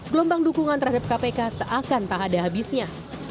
gelombang dukungan terhadap kpk seakan tak ada habisnya